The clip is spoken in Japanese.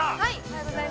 ◆はい。